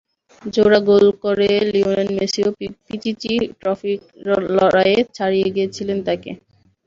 জোড়া গোল করে লিওনেল মেসিও পিচিচি ট্রফির লড়াইয়ে ছাড়িয়ে গিয়েছিলেন তাঁকে।